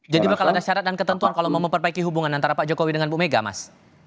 jadi bakal ada syarat dan ketentuan kalau mau memperbaiki hubungan antara pak jokowi dengan bu mega mas